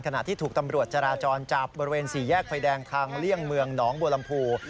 ขณะที่ถูกตำรวจจราจรจับบริเวณสี่แยกไฟแดงทางเลี่ยงเมืองหนองบัวลำพู